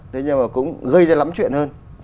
thế nhưng mà cũng gây ra lắm chuyện hơn